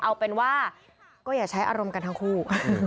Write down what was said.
เอาเป็นว่าก็อย่าใช้อารมณ์กันทั้งคู่